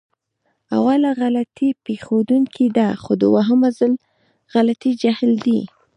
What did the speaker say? اوله غلطي پېښدونکې ده، خو دوهم ځل غلطي جهل دی.